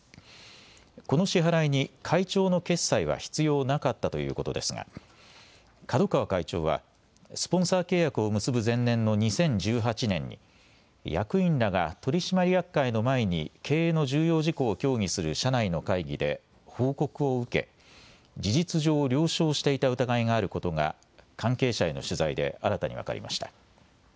この支払いに会長の決裁は必要なかったということですが角川会長はスポンサー契約を結ぶ前年の２０１８年に役員らが取締役会の前に経営の重要事項を協議する社内の会議で報告を受け、事実上、了承していた疑いがあることが関係者への取材で新たに分かりました。